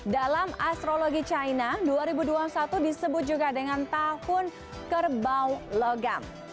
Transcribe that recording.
dalam astrologi china dua ribu dua puluh satu disebut juga dengan tahun kerbau logam